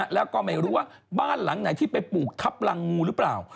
แล้วก็ไม่รู้ว่าบ้านหลังไหนที่ไปปลูกทับรังงูหรือเปล่า